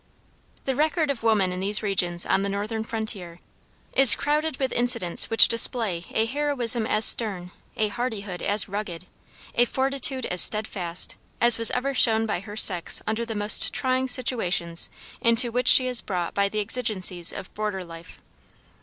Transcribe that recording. The record of woman in these regions on the northern frontier is crowded with incidents which display a heroism as stern, a hardihood as rugged, a fortitude as steadfast, as was ever shown by her sex under the most trying situations into which she is brought by the exigencies of border life.